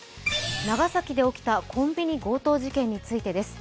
長崎で起きたコンビニ強盗事件についてです。